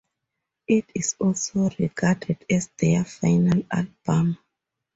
It is also regarded as their final album.